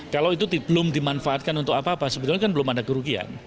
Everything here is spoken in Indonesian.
kalau itu belum dimanfaatkan untuk apa apa sebetulnya kan belum ada kerugian